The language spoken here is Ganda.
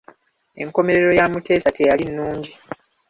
Enkomerero ya Muteesa teyali nnungi.